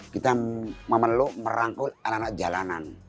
kita memerluk merangkul anak anak jalanan